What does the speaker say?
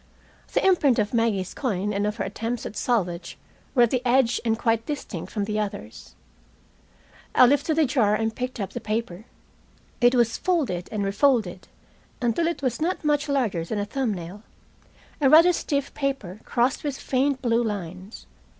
The imprint of Maggie's coin and of her attempts at salvage were at the edge and quite distinct from the others. I lifted the jar and picked up the paper. It was folded and refolded until it was not much larger than a thumb nail, a rather stiff paper crossed with faint blue lines.